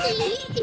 え？